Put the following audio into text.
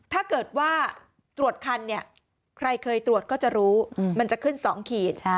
ถ้าเกิดว่าตรวจคันเนี่ยใครเคยตรวจก็จะรู้มันจะขึ้น๒ขีด